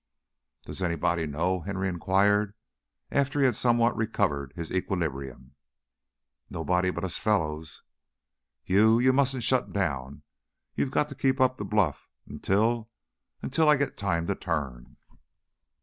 "Does anybody know?" Henry inquired, after he had somewhat recovered his equilibrium. "Nobody but us fellows." "You you mustn't shut down. You've got to keep up the bluff until until I get time to turn."